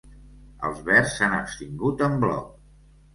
Els verds s’han abstingut en bloc.